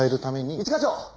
一課長！